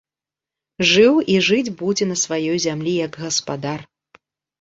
Жыў і жыць будзе на сваёй зямлі як гаспадар!